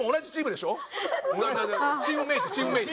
チームメートチームメート。